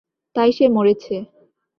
তাই সে মরেছে।